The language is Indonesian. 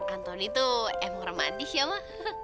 antoni tuh emang remandis ya ma